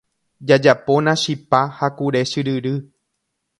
Jajapóna chipa ha kure chyryry.